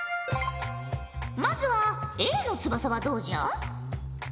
まずはＡの翼はどうじゃ？